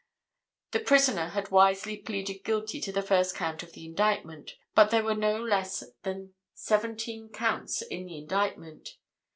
The prisoner had wisely pleaded guilty to the first count of the indictment. But there were no less than seventeen counts in the indictment.